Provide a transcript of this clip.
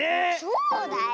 そうだよ。